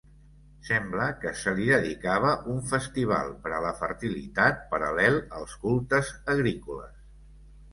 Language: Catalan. Sembla que se li dedicava un festival per a la fertilitat, paral·lel als cultes agrícoles.